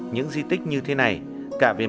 những di tích như thế này cả về mặt nội dung